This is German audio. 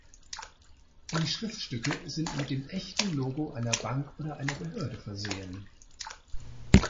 Die Schriftstücke sind mit dem echten Logo einer Bank oder einer Behörde versehen.